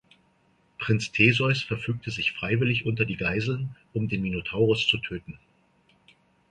Prinz Theseus verfügte sich freiwillig unter die Geiseln, um den Minotauros zu töten.